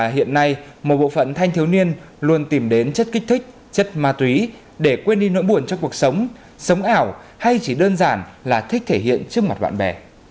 hiện nay một bộ phận thanh thiếu niên luôn tìm đến chất kích thích chất ma túy để quên đi nỗi buồn cho cuộc sống sống ảo hay chỉ đơn giản là thích thể hiện trước mặt bạn bè